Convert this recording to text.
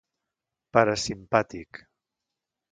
Parasimpàtic: